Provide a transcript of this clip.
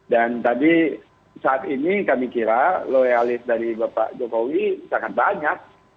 dan tadi saat ini kami kira loyalis dari bapak jokowi sangat banyak